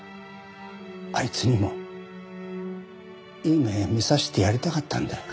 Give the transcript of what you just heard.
あいつにもいい目を見させてやりたかったんだよ。